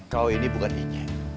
kau ini bukan inye